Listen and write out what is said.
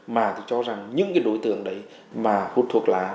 mà tôi cho rằng những cái đối tượng đấy mà hút thuốc lá